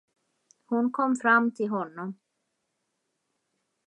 Hon kom fram till honom.